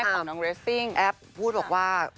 เราก็จะร้องให้ค่ะแอฟพูดบอกว่า